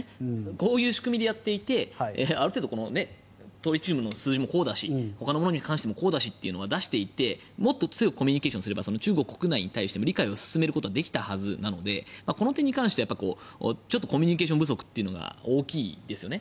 こういう仕組みでやっていてある程度トリチウムの数字もこうだしほかのものに関してもこうだしというのを出していってもっと強くコミュニケーションをすれば中国国内に対しても理解を進めることはできたはずなのでこの点に関してコミュニケーション不足が大きいですよね。